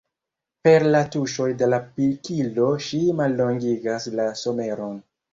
Per la tuŝoj de la pikilo ŝi mallongigas la someron.